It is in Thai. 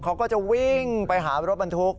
เขาก็จะวิ่งไปหารถบรรทุก